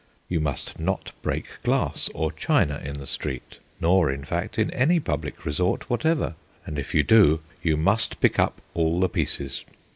You must not break glass or china in the street, nor, in fact, in any public resort whatever; and if you do, you must pick up all the pieces.